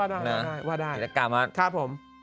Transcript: จิตกรรมครับผม